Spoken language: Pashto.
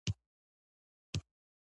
قاتل په خپل جرم کې سوځي